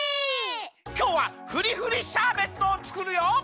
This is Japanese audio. きょうはふりふりシャーベットをつくるよ！